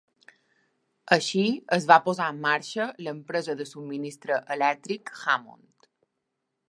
Així es va posar en marxa l'empresa de subministre elèctric Hammond.